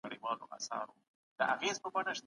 د افغان مشرانو خبرې د انګلیس سرتېرو ته ښکاره شوې.